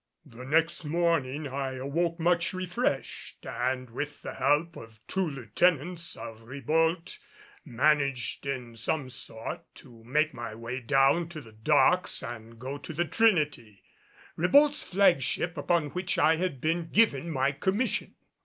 The next morning I awoke much refreshed, and with the help of two lieutenants of Ribault, managed in some sort to make my way down to the docks and go to the Trinity, Ribault's flagship, upon which I had been given my commission.